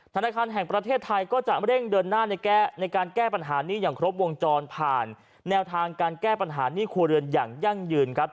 ธนาคารแห่งประเทศไทยก็จะเร่งเดินหน้าในการแก้ปัญหาหนี้อย่างครบวงจรผ่านแนวทางการแก้ปัญหาหนี้ครัวเรือนอย่างยั่งยืนครับ